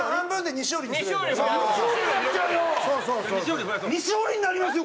西堀になりますよ！